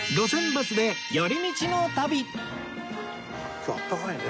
今日あったかいね。